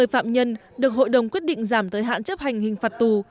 ba mươi phạm nhân được hội đồng quyết định giảm thời hạn chấp hành hình phạt tù